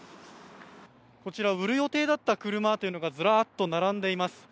こちら売る予定だった車というのがずらっと並んでいます。